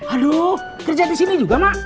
aduh kerja di sini juga mak